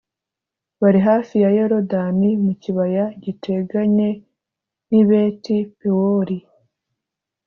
bari hafi ya Yorodani mu kibaya giteganye n’i Beti-Pewori,